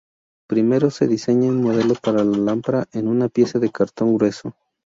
Primero se diseña un modelo para la lámpara en una pieza de cartón grueso.